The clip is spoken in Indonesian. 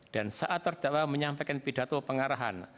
dan saat terdakwa menyampaikan pidato pengarahan